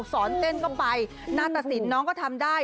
สอนเต้นก็ไปหน้าตะสินน้องก็ทำได้